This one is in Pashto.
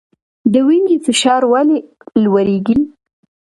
د وینې فشار ولې لوړیږي؟